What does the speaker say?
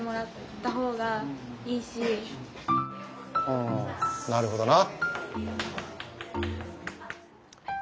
うんなるほどな。